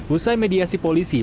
usai mediasi polisi